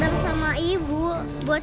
aku mau lihat